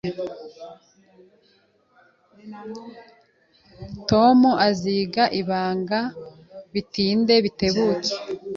Tom aziga ibanga bitinde bitebuke